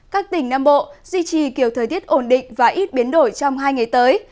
các tỉnh nam bộ duy trì kiểu thời tiết ổn định và ít biến đổi trong hai ngày tới